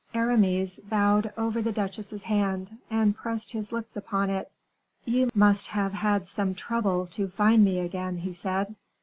Aramis bowed over the duchess's hand, and pressed his lips upon it. "You must have had some trouble to find me again," he said.